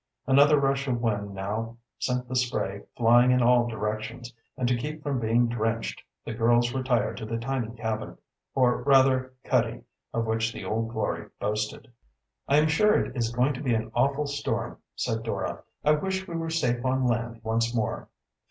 Another rush of wind now sent the spray flying in all directions, and to keep from being drenched the girls retired to the tiny cabin, or, rather, cuddy, of which the Old Glory boasted. "I am sure it is going to be an awful storm," said Dora. "I wish we were safe on land once more."